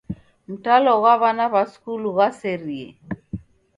Mtalo ghwa w'ana w'a skulu ghwaserie.